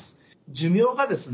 寿命がですね